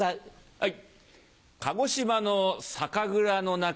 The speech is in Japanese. はい。